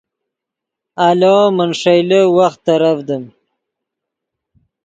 آلو من ݰئیلے وخت ترڤدیم